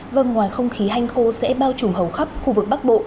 vâng ngoài không khí hanh khô sẽ bao trùm hầu khắp khu vực bắc bộ